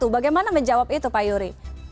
bagaimana menjawab itu pak yuri